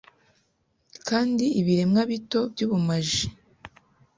Kandi ibiremwa bito byubumaji